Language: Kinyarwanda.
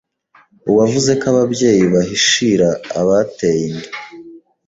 uwavuze ko ababyeyi bahishira abateye inda